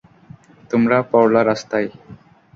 তোমরা পরলা রাস্তায়!